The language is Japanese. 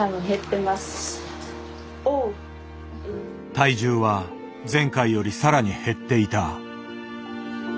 体重は前回より更に減っていた。